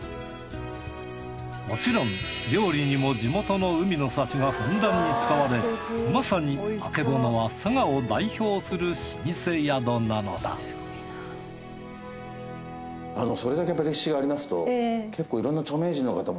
もちろん料理にも地元の海の幸がふんだんに使われまさにあけぼのは佐賀を代表する老舗宿なのだ結構いろんな。